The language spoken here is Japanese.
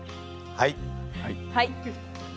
はい。